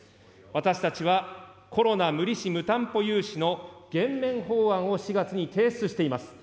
私たちはコロナ無利子無担保融資の減免法案を４月に提出しています。